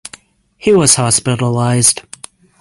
He was hospitalized.